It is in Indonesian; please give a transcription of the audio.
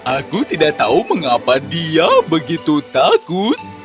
aku tidak tahu mengapa dia begitu takut